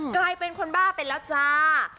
กลายเป็นคนบ้าไปแล้วจ้า